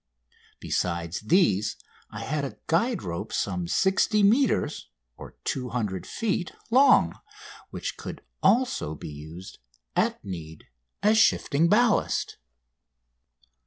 Besides these I had a guide rope some 60 metres (200 feet) long, which could also be used, at need, as shifting ballast.